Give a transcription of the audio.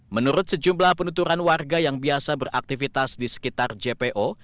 menurut sejumlah penuturan warga yang biasa beraktivitas di sekitar jpo